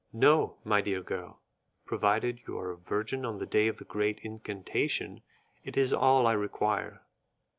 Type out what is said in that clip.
"No, my dear girl; provided you are a virgin on the day of the great incantation, it is all I require."